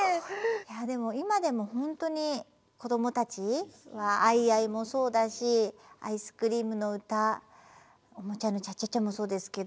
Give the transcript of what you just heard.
いやでも今でも本当にこどもたちは「アイアイ」もそうだし「アイスクリームのうた」「おもちゃのチャチャチャ」もそうですけど。